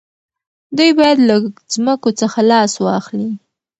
دوی باید له ځمکو څخه لاس واخلي.